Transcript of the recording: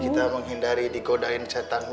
kita menghindari digodain setan bu